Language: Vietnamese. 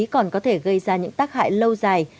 còn có thể gây ra những tác hại lâu dài